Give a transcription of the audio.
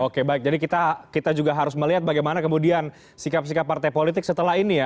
oke baik jadi kita juga harus melihat bagaimana kemudian sikap sikap partai politik setelah ini ya